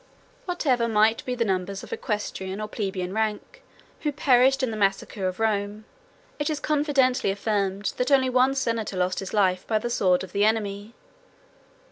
Whatever might be the numbers of equestrian or plebeian rank, who perished in the massacre of Rome, it is confidently affirmed that only one senator lost his life by the sword of the enemy.